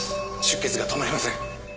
出血が止まりません。